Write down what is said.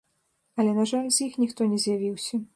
Але на жаль, з іх ніхто не з'явіўся.